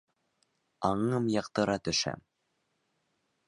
Аңым яҡтыра төшә.